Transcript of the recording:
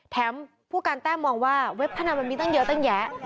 ผู้การแต้มมองว่าเว็บพนันมันมีตั้งเยอะตั้งแยะ